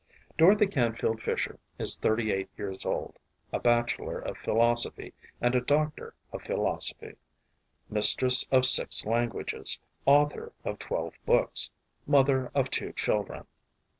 Dorothy Canfield Fisher is thirty eight years old, a bachelor of philosophy and a doctor of philosophy, mistress of six languages, author of twelve books, mother of two children.